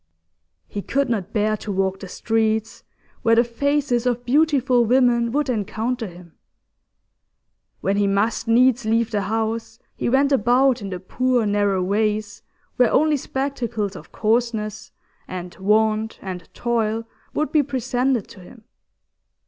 He could not bear to walk the streets where the faces of beautiful women would encounter him. When he must needs leave the house, he went about in the poor, narrow ways, where only spectacles of coarseness, and want, and toil would be presented to him.